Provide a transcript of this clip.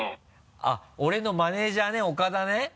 あっ俺のマネジャーね岡田ね。